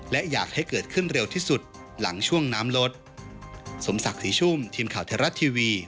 และอยากให้เกิดขึ้นเร็วที่สุดหลังช่วงน้ำรถ